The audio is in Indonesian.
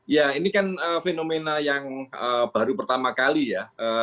ya ini kan fenomena yang baru pertama kali ya